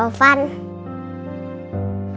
aku rawat sama acah